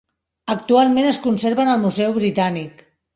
Actualment es conserven al Museu Britànic.